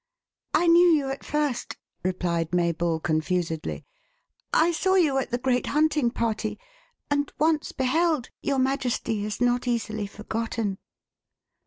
"I knew you at first," replied Mabel confusedly. "I saw you at the great hunting party; and, once beheld, your majesty is not easily forgotten."